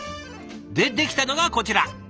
でできたのがこちら。